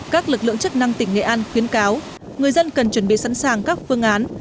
các lực lượng chức năng tỉnh nghệ an khuyến cáo người dân cần chuẩn bị sẵn sàng các phương án